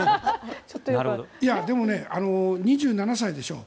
でも、２７歳でしょう。